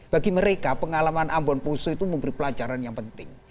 bagi mereka pengalaman ambon poso itu memberi pelajaran yang penting